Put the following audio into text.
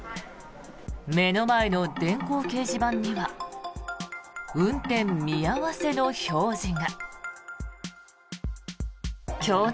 目の前の電光掲示板には運転見合わせの表示が。